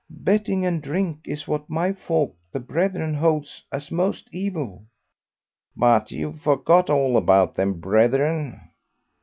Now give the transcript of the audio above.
Betting and drink is what my folk, the Brethren, holds as most evil." "But you've forgot all about them Brethren?"